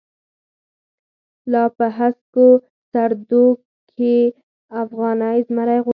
لاپه هسکوسردروکی، افغانی زمری غوریږی